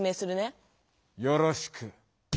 よろしく。